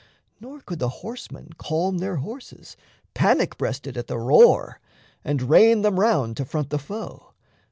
Nor could the horsemen calm Their horses, panic breasted at the roar, And rein them round to front the foe.